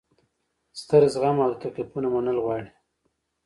ستر زغم او د تکلیفونو منل غواړي.